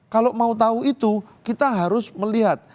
kalau mau tahu itu kita harus melihat